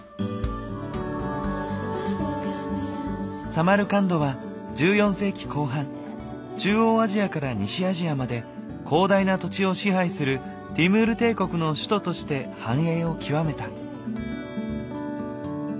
サマルカンドは１４世紀後半中央アジアから西アジアまで広大な土地を支配するティムール帝国の首都として繁栄を極めた。